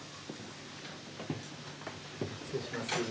失礼します。